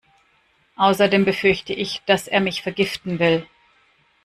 Außerdem befürchte ich, dass er mich vergiften will.